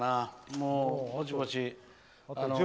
もう、ぼちぼち。